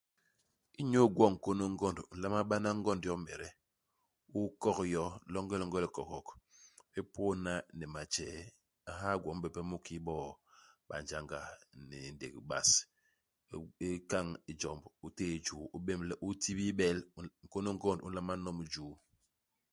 Inyu igwo nkônô u ngond, u nlama bana ngond yomede. U kok yo longelonge i likogok. U pôdna ni matjee. U ha gwom bipe mu kiki bo banjanga ni ndék bas. U nn u kañ i jomb, u téé i juu. U belb le u tibil bel. Nkônô ngond u nlama nom i juu.